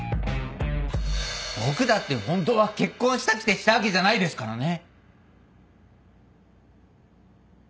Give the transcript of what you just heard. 僕だってホントは結婚したくてしたわけじゃないですからね。